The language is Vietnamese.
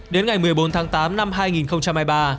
đến ngày một mươi bốn tháng tám năm hai nghìn hai mươi ba